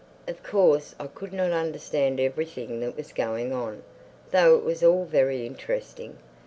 Of course I could not understand everything that was going on, though it was all very interesting.